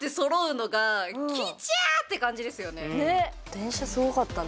電車すごかったな。